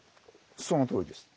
そのとおりです。